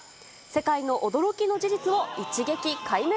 世界の驚きの事実を一撃解明。